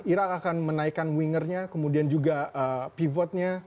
irak akan menaikkan wingernya kemudian juga pivotnya